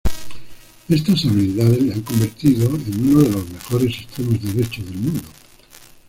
Estas habilidades le han convertido en uno de los mejores extremos derechos del mundo.